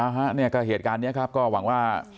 ฮะเนี่ยก็เหตุการณ์นี้ครับก็หวังว่า